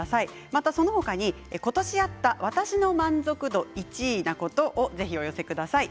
またその他に今年あった私の満足度１位なことをぜひお寄せください。